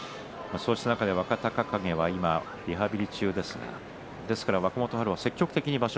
若隆景はリハビリ中ですが若元春は積極的に場所